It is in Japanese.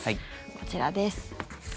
こちらです。